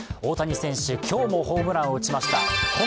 大谷選手、今日もホームランを打ちました。